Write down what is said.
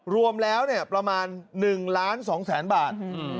รวมแล้วประมาณ๑๒๐๐๐๐๐บาท